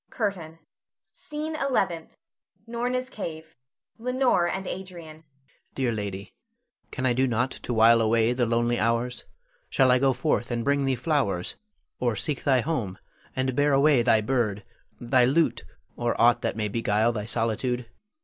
_ CURTAIN. SCENE ELEVENTH. [Norna's cave. Leonore and Adrian.] Adrian. Dear lady, can I do nought to while away the lonely hours? Shall I go forth and bring thee flowers, or seek thy home and bear away thy bird, thy lute, or aught that may beguile thy solitude?